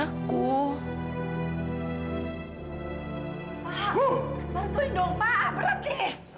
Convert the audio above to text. pak bantuin dong pak berhenti